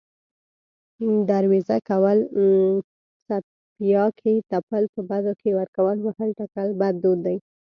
دروېزه کول، څپياکې تپل، په بدو کې ورکول، وهل، ټکول بد دود دی